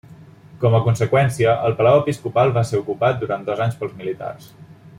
Com a conseqüència, el Palau Episcopal va ser ocupat durant dos anys pels militars.